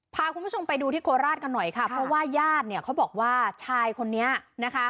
พาคุณผู้ชมไปดูที่โคราชกันหน่อยค่ะเพราะว่าญาติเนี่ยเขาบอกว่าชายคนนี้นะคะ